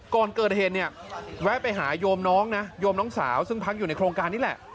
ก่อนเกิดเหตุเนี่ยแวะไปหาโยมน้องนะโยมน้องสาวซึ่งพักอยู่ในโครงการนี้แหละ